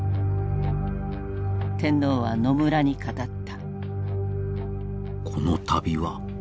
天皇は野村に語った。